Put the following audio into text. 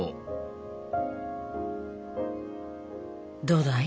どうだい？